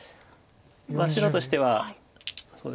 白としてはそうですね